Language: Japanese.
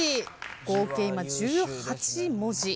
合計今１８文字。